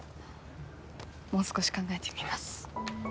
もう少し考えてみます。